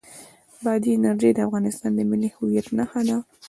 بادي انرژي د افغانستان د ملي هویت نښه ده.